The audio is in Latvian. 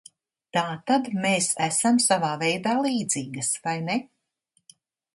Tātad, mēs esam savā veidā līdzīgas, vai ne?